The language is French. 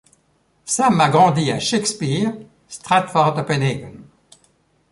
Sam a grandi à Shakespeare, Stratford Upon Avon.